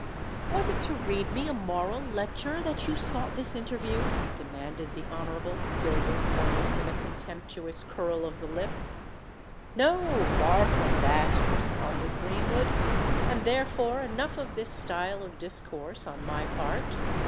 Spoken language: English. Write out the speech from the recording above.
"Was it to read me a moral lecture that you sought this interview?" demanded the Honourable Gilbert Vernon, with a contemptuous curl of the lip. "No—far from that!" responded Greenwood. "And therefore enough of this style of discourse on my part.